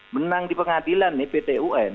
menang di pengadilan nih pt un